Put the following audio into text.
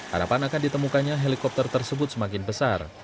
harapan akan ditemukannya helikopter tersebut semakin besar